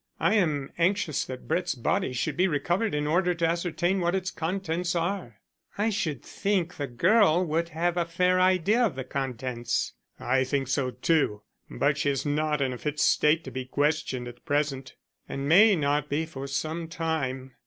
I am anxious that Brett's body should be recovered in order to ascertain what its contents are." "I should think the girl would have a fair idea of the contents." "I think so too, but she is not in a fit state to be questioned at present, and may not be for some time.